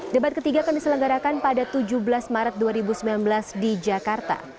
debat ketiga akan diselenggarakan pada tujuh belas maret dua ribu sembilan belas di jakarta